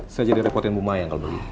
saya jadi repotin bu maya kalau beli